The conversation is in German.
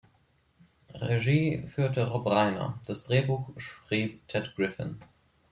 Regie führte Rob Reiner, das Drehbuch schrieb Ted Griffin.